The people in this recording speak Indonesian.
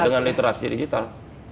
ya dengan literasi digital